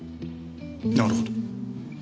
なるほど。